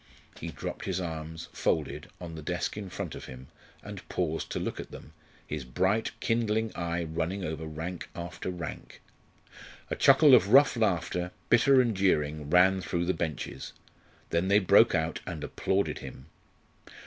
He dropped his arms, folded, on the desk in front of him, and paused to look at them, his bright kindling eye running over rank after rank. A chuckle of rough laughter, bitter and jeering, ran through the benches. Then they broke out and applauded him.